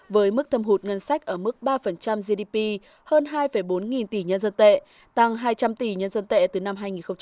với mức thâm hụt ngân sách ở mức ba gdp hơn hai bốn nghìn tỷ nhân dân tệ tăng hai trăm linh tỷ nhân dân tệ từ năm hai nghìn một mươi